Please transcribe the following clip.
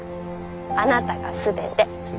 「あなたがすべて」。